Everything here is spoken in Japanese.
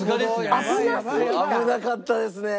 危なかったですね。